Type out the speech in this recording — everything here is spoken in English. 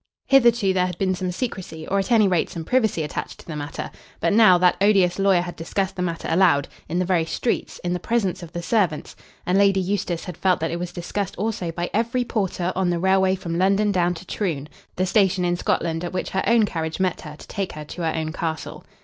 Hitherto there had been some secrecy, or at any rate some privacy attached to the matter; but now that odious lawyer had discussed the matter aloud, in the very streets, in the presence of the servants, and Lady Eustace had felt that it was discussed also by every porter on the railway from London down to Troon, the station in Scotland at which her own carriage met her to take her to her own castle.